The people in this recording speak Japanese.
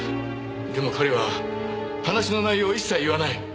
でも彼は話の内容を一切言わない。